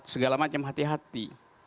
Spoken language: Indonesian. segala macam hati hati